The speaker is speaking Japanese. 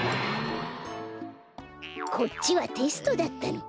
こっちはテストだったのか。